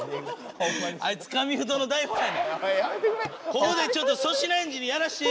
ここでちょっと粗品エンジにやらせて。